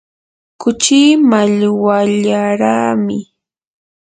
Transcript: kuchii mallwallaraami.